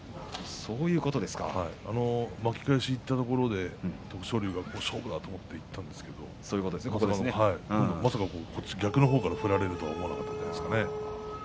巻き返しにいったところで徳勝龍は勝負だと思っていったんですけれども逆の方から振られると思わなかったんじゃないですかね。